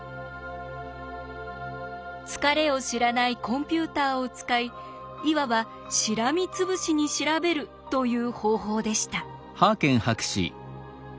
疲れを知らないコンピューターを使いいわばしらみつぶしに調べるという方法でした。